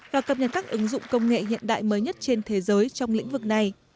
và cập nhật các ứng dụng công nghệ hiện đại mới nhất trên thế giới trong lĩnh vực này